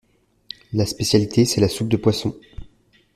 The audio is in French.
La spécialité, c’est la soupe de poisson.